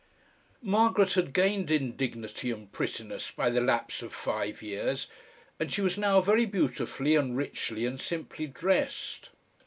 Margaret had gained in dignity and prettiness by the lapse of five years, and she was now very beautifully and richly and simply dressed.